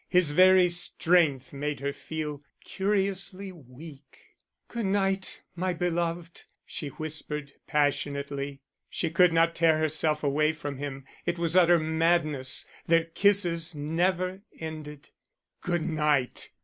His very strength made her feel curiously weak. "Good night, my beloved," she whispered, passionately. She could not tear herself away from him; it was utter madness. Their kisses never ended. "Good night!"